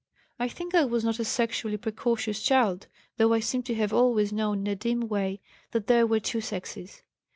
"I think I was not a sexually precocious child, though I seem to have always known in a dim way that there were two sexes.